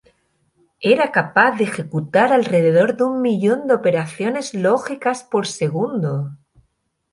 Era capaz de ejecutar alrededor de un millón de operaciones lógicas por segundo.